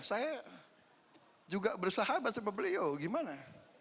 saya juga bersahabat sama beliau gimana